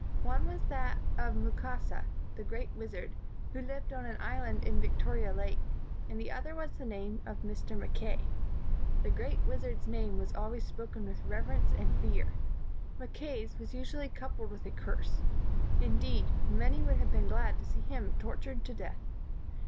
One was that of Mu kasa, the great wizard who lived on an is land in Victoria Lake, and the other was the name of Mr. Mackay. The great wiz ard's name was always spoken with rever ence and fear ; Mackay 's was usually coupled with a curse. Indeed, many would have been glad to see him tortured to death.